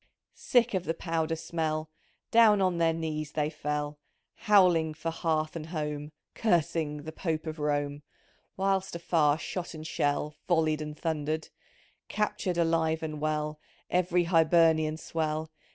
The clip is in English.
Sick of the powder smell, Down on their knees they fell, • Howling for hearth and home — Cursing the Pope of Rome — Whilst afar shot and shell Volleyed and thundered ; Captured, alive and well, Ev'ry Hibernian swell.